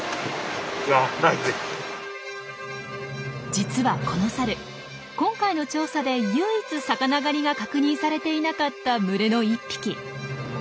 実はこのサル今回の調査で唯一魚狩りが確認されていなかった群れの１匹。